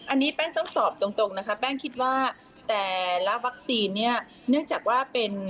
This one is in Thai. อันนี้แป้งต้องตอบตรงนะคะแป้งคิดว่าแต่ละวัคซีนเนี่ยเนื่องจากว่าเป็น